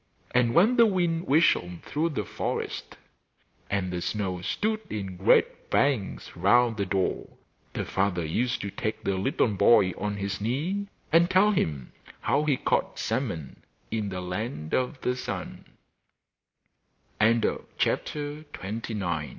And when the wind whistled through the forest, and the snow stood in great banks round the door, the father used to take the little boy on his knee and tell him how he caught salmon in the Land of